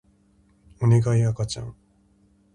おねがい赤ちゃん